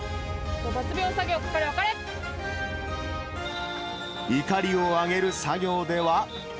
抜びょう作業かかれ、いかりを上げる作業では。